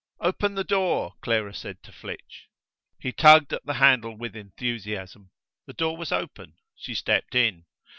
"Open the door." Clara said to Flitch. He tugged at the handle with enthusiasm. The door was open: she stepped in.